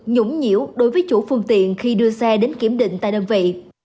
nhũng nhiễu đối với chủ phương tiện khi đưa xe đến kiểm định tại đơn vị